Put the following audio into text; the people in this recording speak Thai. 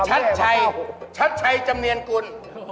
ชัดชัยชัดชัยจำเนียนกุล